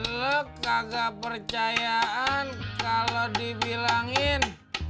lo kagak percayaan kalau dibilangin